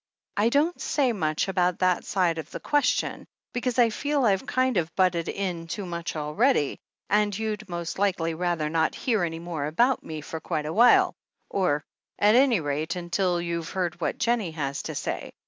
I don't say much about that side of the question, because I feel I've kind of butted in too much already, and you'd most likely rather not hear any more about me for quite a while— or, at any rate, until you've heard what Jennie has to say.